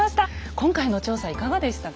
今回の調査いかがでしたか？